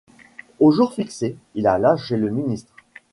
Au jour fixé, il alla chez le ministre.